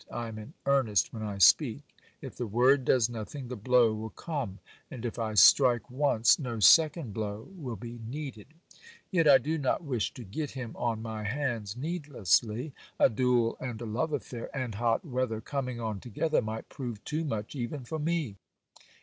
I am in earnest when I speak; if the word does nothing, the blow will come, and if I strike once no second blow will be needed; yet I do not wish to get him on my hands needlessly; a duel and a love affair and hot weather, coming on together, might prove too much even for me.